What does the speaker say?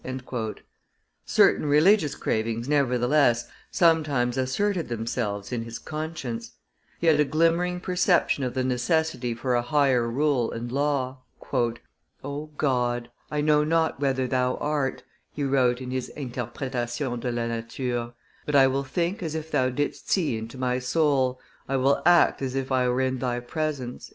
Certain religious cravings, nevertheless, sometimes: asserted themselves in his conscience: he had. a glimmering perception of the necessity for a higher rule and law. "O God, I know not whether Thou art," he wrote in his Interpretation de la Nature, but I will think as if Thou didst see into my soul, I will act as if I were in Thy presence."